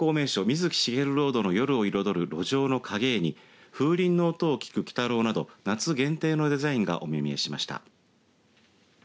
水木しげるロードの夜を彩る路上の影絵に風鈴の音を聞く鬼太郎など夏限定のデザインがお目見えしました。